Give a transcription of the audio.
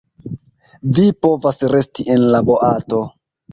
Vi povas resti en la boato.